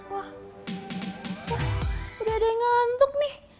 wah udah ada yang ngantuk nih